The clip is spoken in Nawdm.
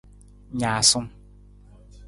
Naasung.